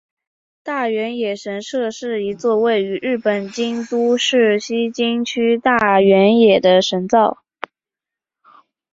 大原野神社是一座位于日本京都市西京区大原野的神社。